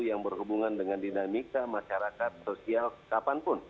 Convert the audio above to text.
yang berhubungan dengan dinamika masyarakat sosial kapanpun